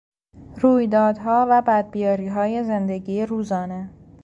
رویدادها و بدبیاریهای زندگی روزانه